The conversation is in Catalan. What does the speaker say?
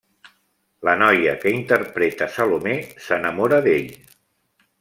La noia que interpreta Salomé s'enamora d'ell.